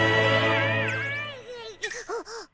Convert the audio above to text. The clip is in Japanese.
あっ！